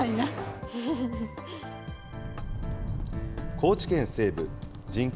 高知県西部、人口